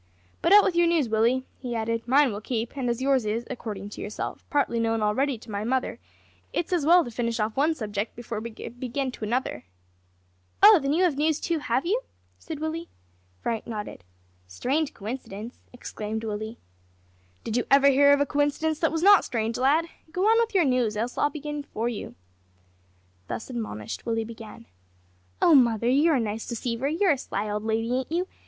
"But out with your news, Willie," he added, "mine will keep; and as yours is, according to yourself, partly known already to my mother, it's as well to finish off one subject before we begin to another." "Oh, then, you have news, too, have you?" said Willie. Frank nodded. "Strange coincidence!" exclaimed Willie. "Did you ever hear of a coincidence that was not strange, lad? Go on with your news, else I'll begin before you." Thus admonished, Willie began. "Oh, mother, you're a nice deceiver; you're a sly old lady, ain't you?